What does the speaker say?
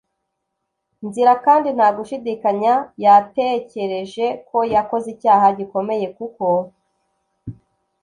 nzira, kandi nta gushidikanya yatekereje ko yakoze icyaha gikomeye, kuko